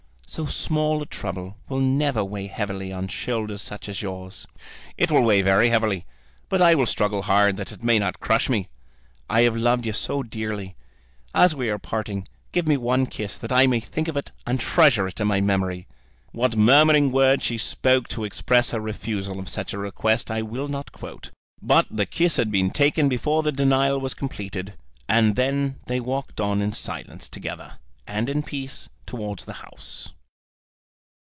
So small a trouble will never weigh heavily on shoulders such as yours." "It will weigh very heavily, but I will struggle hard that it may not crush me. I have loved you so dearly! As we are parting give me one kiss, that I may think of it and treasure it in my memory!" What murmuring words she spoke to express her refusal of such a request, I will not quote; but the kiss had been taken before the denial was completed, and then they walked on in silence together, and in peace, towards the house.